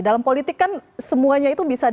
dalam politik kan semuanya itu bisa